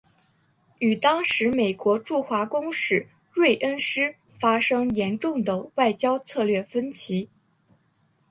与当时美国驻华公使芮恩施发生严重的外交策略分歧。